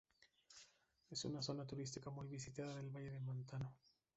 Es una zona turística muy visitada del Valle del Mantaro.